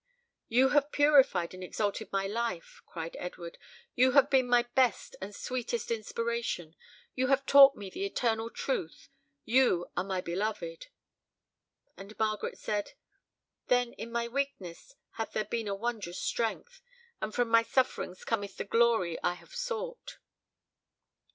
"You have purified and exalted my life," cried Edward; "you have been my best and sweetest inspiration; you have taught me the eternal truth, you are my beloved!" And Margaret said: "Then in my weakness hath there been a wondrous strength, and from my sufferings cometh the glory I have sought!"